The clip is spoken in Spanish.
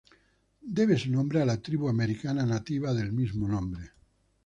Debe su nombre a la tribu americana nativa del mismo nombre.